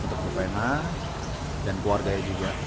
untuk upna dan keluarganya juga